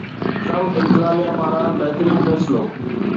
Trump انتظاميه پاران بهترين فيصلو